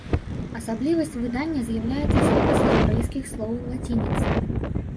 Асаблівасцю выдання з'яўляецца запіс яўрэйскіх слоў лацініцай.